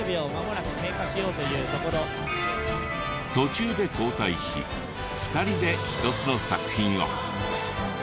途中で交代し２人で１つの作品を。